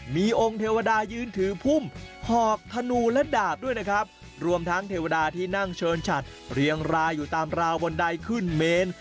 มีองค์เทวดายืนถือพุ่มหอบธนูและดาบด้วยนะครับรวมทั้งเทวดาที่นั่งเชิญฉัดเรียงรายอยู่ตามราวบนใดขึ้นเมน